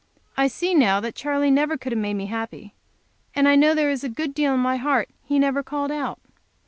I see now that Charley never could have made me happy, and I know there is a good deal in my heart he never called out.